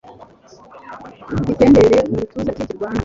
itembera mu gituza cye kirwana